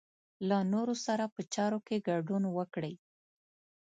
له نورو سره په چارو کې ګډون وکړئ.